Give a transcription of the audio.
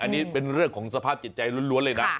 อันนี้เป็นเรื่องของสภาพจิตใจล้วนเลยนะ